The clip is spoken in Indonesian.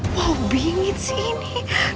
wow bingit sih ini